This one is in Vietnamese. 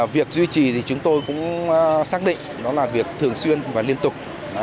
việc duy trì thì chúng tôi cũng xác định đó là việc thường xuyên và liên tục